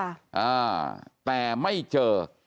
อ่าแต่ไม่เจอ